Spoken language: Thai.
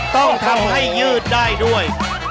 ต้องทำให้ยืดได้ด้วย